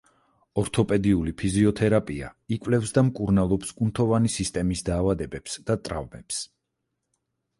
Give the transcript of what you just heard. ორთოპედიული ფიზიოთერაპია იკვლევს და მკურნალობს კუნთოვანი სისტემის დაავადებებს და ტრავმებს.